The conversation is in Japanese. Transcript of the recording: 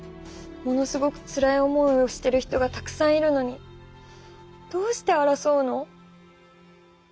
ものすごくつらい思いをしてる人がたくさんいるのにどうして争うの？